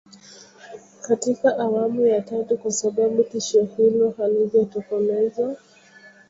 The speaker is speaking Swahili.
katika awamu ya tatu kwa sababu tishio hilo halijatokomezwa